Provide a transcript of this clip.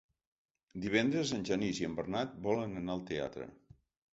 Divendres en Genís i en Bernat volen anar al teatre.